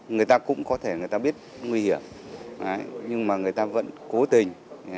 người ta cũng có thể người ta biết nguy hiểm nhưng mà người ta vẫn cố tình